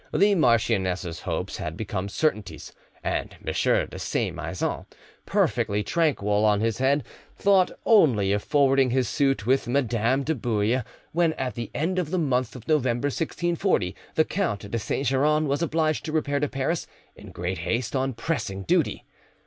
The marchioness's hopes had become certainties, and M. de Saint Maixent, perfectly tranquil on this head, thought only of forwarding his suit with Madame de Bouille, when, at the end of the month of November 1640, the Count de Saint Geran was obliged to repair to Paris in great haste on pressing duty.